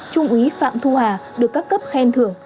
trung úy phạm thu hà được các cấp khen thưởng